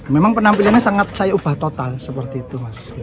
memang penampilannya sangat saya ubah total seperti itu mas